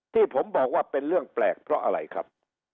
ที่ผมบอกว่าเป็นเรื่องแปลกเพราะอะไรครับ